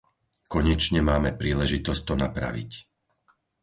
Konečne máme príležitosť to napraviť.